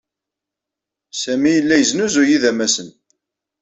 Sami yella yesnuzuy idamasen.